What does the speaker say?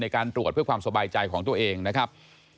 การตรวจเพื่อความสบายใจของตัวเองนะครับ